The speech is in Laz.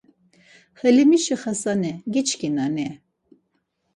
Helimişi Xasani giçkinani?